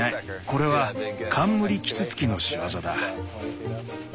これはカンムリキツツキの仕業だ。